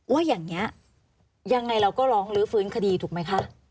ว่าอย่างนี้ยังไงเราก็ร้องลื้อฟื้นคดีถูกไหมคะ